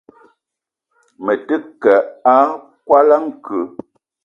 Me te keu a koala nke.